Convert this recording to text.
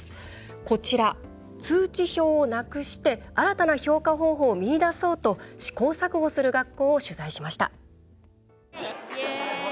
こちら、通知表をなくして新たな評価方法を見出そうと試行錯誤する学校を取材しました。